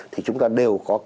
thì chúng ta đều có